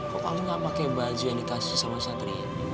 kok kamu nggak pakai baju yang dikasih sama satria